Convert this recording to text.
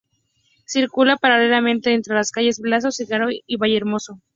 Circula paralelamente entre las calles Blasco de Garay y Vallehermoso.